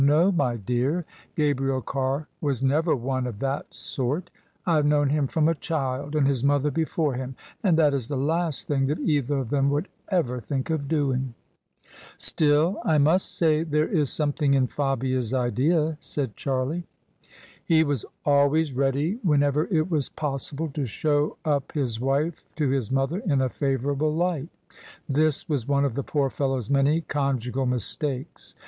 "No, my dear; Gabriel Carr was never one of that sort. I have known him from a child, and his mother before him, and that is the last thing that either of them would ever think of doing." THE SUBJECTION " Still I must say there is something in Fabia's idea," said Charlie. He was always ready, whenever it was possi ble, to show up his wife to his mother in a favourable light This was one of the poor fellow's many conjugal mistakes.